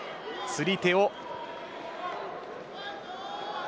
釣り手を。